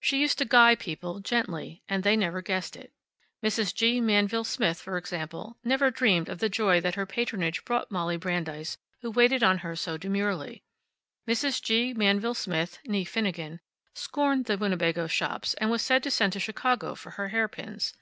She used to guy people, gently, and they never guessed it. Mrs. G. Manville Smith, for example, never dreamed of the joy that her patronage brought Molly Brandeis, who waited on her so demurely. Mrs. G. Manville Smith (nee Finnegan) scorned the Winnebago shops, and was said to send to Chicago for her hairpins.